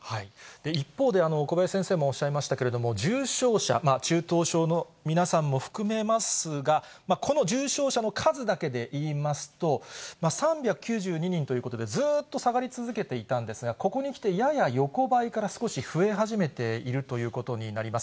一方で、小林先生もおっしゃいましたけれども、重症者、中等症の皆さんも含めますが、この重症者の数だけでいいますと、３９２人ということで、ずっと下がり続けていたんですが、ここにきて、やや横ばいから少し増え始めているということになります。